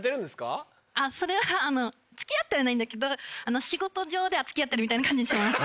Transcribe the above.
あっそれはあの付き合ってはいないんだけど仕事上では付き合ってるみたいな感じにしてます。